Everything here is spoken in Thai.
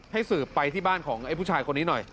สืบไปที่บ้านของไอ้ผู้ชายคนนี้หน่อย